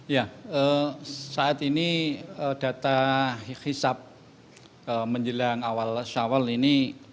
ya saat ini data hisap menjelang awal syawal ini